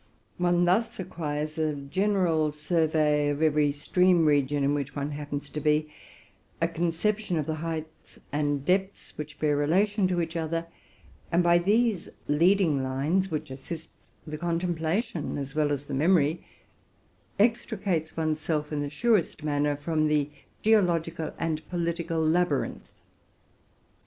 One thus acquires a general survey of every stream region in which one happens to be, a conception of the heights and depths which bear rela tion to each other, and by these leading lines, which assist the contemplation as well as the memory, extricates one's self in the surest manner from the geological and politicai labyrinth.